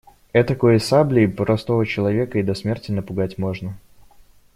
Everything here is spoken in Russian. Этакой саблей простого человека и до смерти напугать можно.